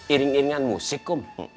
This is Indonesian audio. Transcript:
iring iringan musik kum